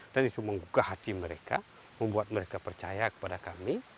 dan itu membuka hati mereka membuat mereka percaya kepada kami